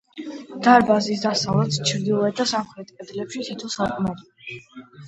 დარბაზის დასავლეთ, ჩრდილოეთ და სამხრეთ კედლებში თითო სარკმელია.